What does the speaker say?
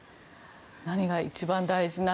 何が一番大事な。